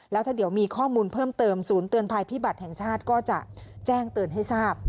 แล้วถ้าเดี๋ยวมีข้อมูลเพิ่มเติมศูนย์เตือนภัยพิบัติแห่งชาติก็จะแจ้งเตือนให้ทราบ